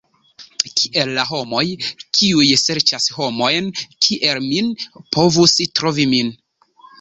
Kiel la homoj, kiuj serĉas homojn kiel min, povus trovi min?